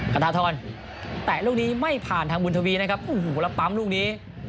กระทาทรแตะลูกนี้ไม่ผ่านทางบุญทวีนะครับโอ้โหแล้วปั๊มลูกนี้